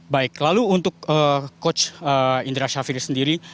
baik lalu untuk coach indra syafir sendiri